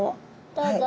どうぞ。